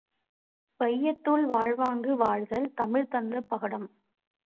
வையத்துள் வாழ்வாங்கு, வாழ்தல் தமிழ்தந்த பாடம்.